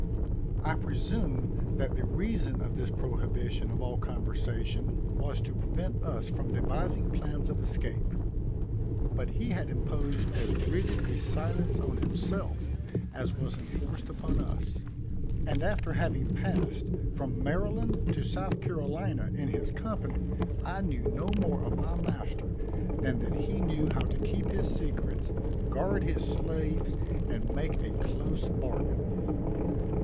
I presume that the reason of this prohibition of all conversation was to prevent us from devising plans of escape; but he had imposed as rigid a silence on himself as was enforced upon us; and after having passed from Maryland to South Carolina, in his company, I knew no more of my master, than, that he knew how to keep his secrets, guard his slaves, and make a close bargain.